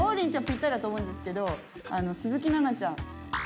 ぴったりだと思うんですけど鈴木奈々ちゃん。